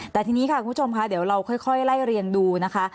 แต่ทีนี้ค่ะคุณผู้ชมค่ะเดี๋ยวเราค่อยไล่เรียงดูนะคะ